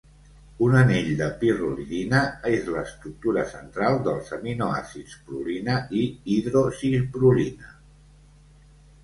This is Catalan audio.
Un anell de pirrolidina és l'estructura central dels aminoàcids prolina i hidroxiprolina.